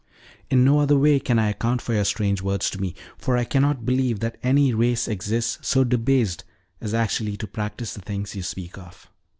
In no other way can I account for your strange words to me; for I cannot believe that any race exists so debased as actually to practice the things you speak of.